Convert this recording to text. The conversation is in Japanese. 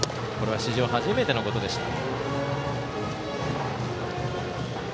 史上初めてのことでした。